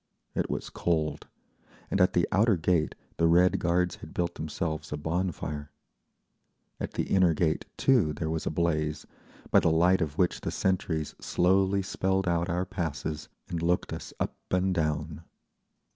It was cold, and at the outer gate the Red Guards had built themselves a bon fire. At the inner gate, too, there was a blaze, by the light of which the sentries slowly spelled out our passes and looked us up and down.